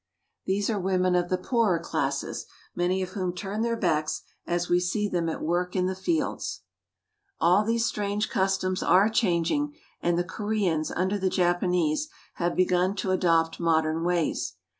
These are women of the poorer classes, many of whom turn their backs as we see them at work in the fields. All these strange customs are changing, and the Kore ans under the Japanese have begun to adopt modern ways.